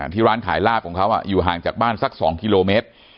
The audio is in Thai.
ที่ร้านขายลาบของเขาอยู่ห่างจากบ้านสัก๒กิโลเมตร